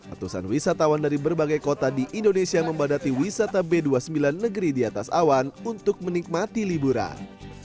atusan wisatawan dari berbagai kota di indonesia membadati wisata b dua puluh sembilan negeri di atas awan untuk menikmati liburan